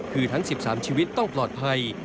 คือทั้ง๑๓ชีวิตต้องปลอดภัย